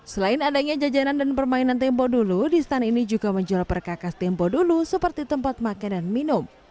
selain adanya jajanan dan permainan tempo dulu di stand ini juga menjual perkakas tempo dulu seperti tempat makan dan minum